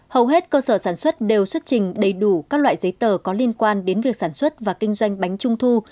hầu hết cơ sở sản xuất đều xuất trình đầy đủ các loại giấy tờ có liên quan đến việc sản xuất và kinh doanh bánh trung thu